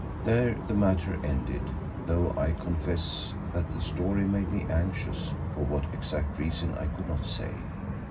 There the matter ended, though I confess that the story made me anxious, for what exact reason I could not say.